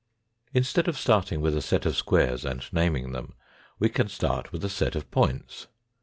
Instead of starting with a set of squares and naming them, we can start with a set of points.